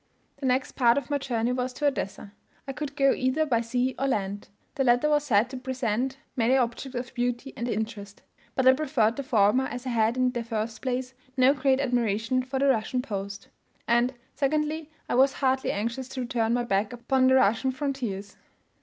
The next part of my journey was to Odessa. I could go either by sea or land. The latter was said to present many objects of beauty and interest; but I preferred the former, as I had in the first place no great admiration of the Russian post; and, secondly, I was heartily anxious to turn my back upon the Russian frontiers.